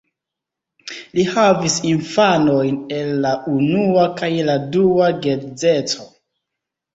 Li havis infanojn el la unua kaj la dua geedzeco.